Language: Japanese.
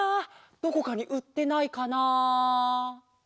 どこかにうってないかな？